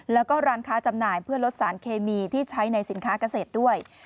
แล้วก็ร้านค้าจำหน่ายเพื่อลดสารเคมีที่ใช้ในสินค้าเกษตรด้วย